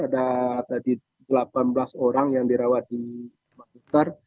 ada tadi delapan belas orang yang dirawat di rumah duter